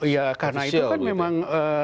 ya karena itu kan memang